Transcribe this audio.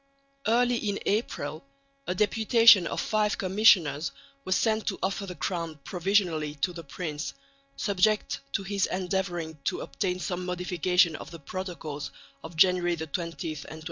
Early in April a deputation of five commissioners was sent to offer the crown provisionally to the prince, subject to his endeavouring to obtain some modification of the protocols of January 20 and 27.